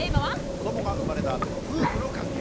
子どもが生まれたあとの夫婦の関係。